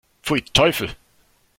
Pfui, Teufel!